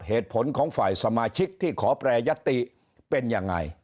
เหตุผลของฝ่ายสมาชิกที่ขอแปรยติเป็นยังไง